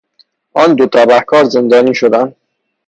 آن دو تبهکار زندانی شدند.